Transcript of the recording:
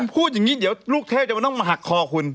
พูดอย่างนี้เดี๋ยวลูกเทพจะต้องมาหักคอคุณ